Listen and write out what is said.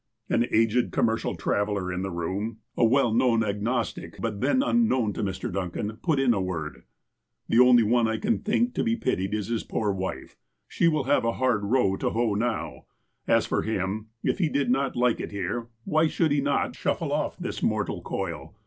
An aged commercial traveller in the room, a well 24 THE APOSTLE OF ALASKA known agnostic, but then unknown to Mr. Duncan, put in a word :'' The only one I think to be pitied is his poor wife. She will have a hard row to hoe now. As for him, — if he did not like it here, why should he not shuffle off this mortal coil